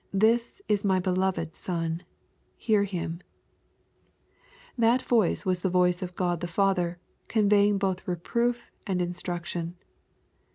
This is my beloved Son, hear Him/' That voice was the voice of God the Father, conveying both reproof and instruc tion.